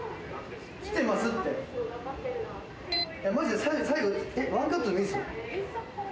マジで最後ワンカットでいいんですよ。